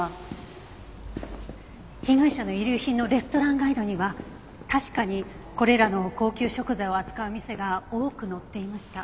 被害者の遺留品のレストランガイドには確かにこれらの高級食材を扱う店が多く載っていました。